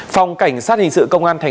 phòng cảnh sát hình sự công an tp đà nẵng